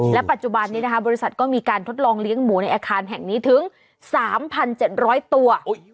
และปัจจุบันนี้นะคะบริษัทก็มีการทดลองเลี้ยงหมูในอาคารแห่งนี้ถึง๓๗๐๐ตัว